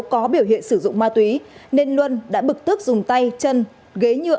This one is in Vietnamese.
có biểu hiện sử dụng ma túy nên luân đã bực tức dùng tay chân ghế nhựa